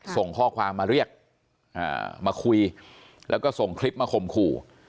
ส่งข้อความมาเรียกมาคุยแล้วก็ส่งคลิปมาข่มขู่